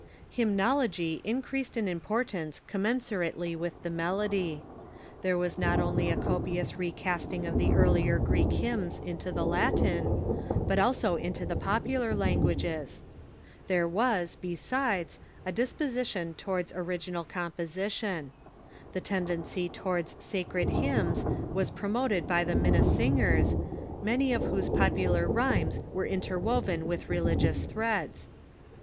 Hymnology increased in importance commensurately with the melody. There was not only a copious recasting of the earlier Greek hymns into the Latin, but also into the popular languages. There was, besides, a disposition towards original composition. The tendency towards sacred hymns Hymnology .. i i ^i at • r i was promoted by the 31innesingers, many or whose popular rhymes were interwoven M'ith religious threads.